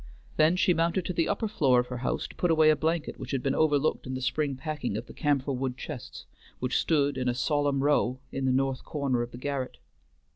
Then she mounted to the upper floor of her house to put away a blanket which had been overlooked in the spring packing of the camphor wood chests which stood in a solemn row in the north corner of the garret.